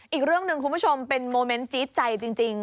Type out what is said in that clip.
อีกเรื่องหนึ่งคุณผู้ชมเป็นโมเมนต์จี๊ดใจจริง